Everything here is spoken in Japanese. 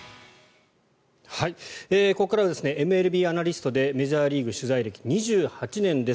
ここからはＭＬＢアナリストでメジャーリーグ取材歴２８年です。